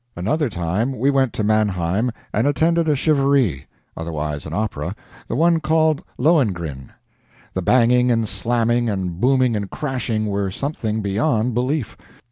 Another time, we went to Mannheim and attended a shivaree otherwise an opera the one called "Lohengrin." The banging and slamming and booming and crashing were something beyond belief.